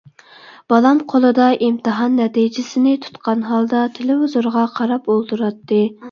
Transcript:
بالام قولىدا ئىمتىھان نەتىجىسىنى تۇتقان ھالدا تېلېۋىزورغا قاراپ ئولتۇراتتى.